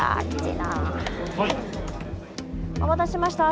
お待たせしました。